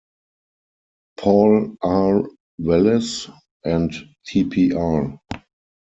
Paul R. Wallace and Tpr.